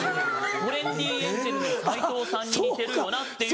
「トレンディエンジェルの斎藤さんに似てるよな」っていう。